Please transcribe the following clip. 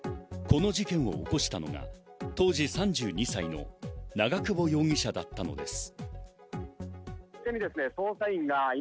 この事件を起こしたのが当時３２歳の長久保容疑者だったのです。